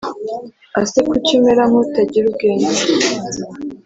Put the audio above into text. Ax kuki umera nkutagira ubwenge